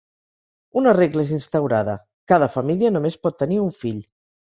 Una regla és instaurada: cada família només pot tenir un fill.